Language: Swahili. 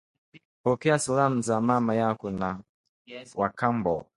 Pokea salamu za mama yako wa kambo